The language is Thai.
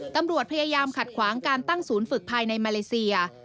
ตำรวจพยายามขัดขวางการตั้งศูนย์ฝึกภายในมาเลเซีย